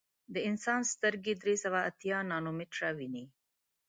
د انسان سترګې درې سوه اتیا نانومیټره ویني.